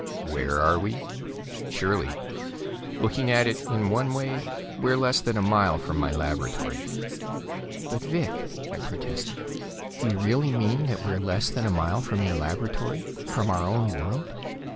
"Where we are? Surely. Looking at it in one way, we're less than a mile from my laboratory." "But, Vic!" I protested. "Do you really mean that we're less than a mile from your laboratory; from our own world?